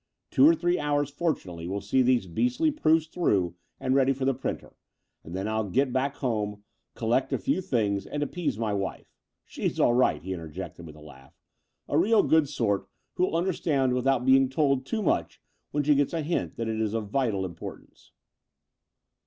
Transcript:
Two or three hours, fortunately, will see these beaistly proofs through and ready for the printer; and then I'll get back home, collect a few things, and appease my wife. She's all right," he interjected, with a laugh, "a real good sort who will understand without being told too much, when she gets a hint that it is of vital im portance."